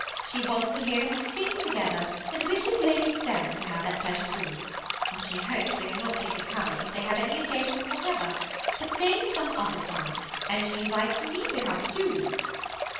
She wants to hear them sing together, and wishes Lady Sarah to have that pleasure, too; but she hopes they will not think of coming if they have any engagement whatever, but name some other time, and she invites me to come too."